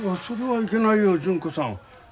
それはいけないよ純子さん。